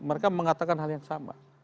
mereka mengatakan hal yang sama